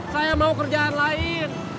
saya mau kerjaan lain